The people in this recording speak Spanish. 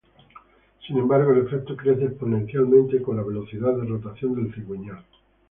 Sin embargo, el efecto crece exponencialmente con la velocidad de rotación del cigüeñal.